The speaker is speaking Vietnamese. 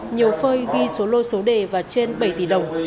nhiều phơi ghi số lô số đề và trên bảy tỷ đồng